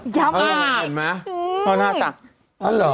ย้ำอ่ะเห็นไหมอื้มเอาหน้าจักร